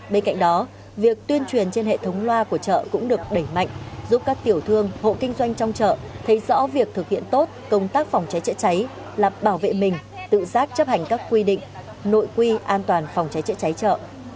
bên cạnh đó việc tuyên truyền trên hệ thống loa của chợ cũng được đẩy mạnh giúp các tiểu thương hộ kinh doanh trong chợ thấy rõ việc thực hiện tốt công tác phòng cháy chữa cháy là bảo vệ mình tự giác chấp hành các quy định nội quy an toàn phòng cháy chữa cháy chợ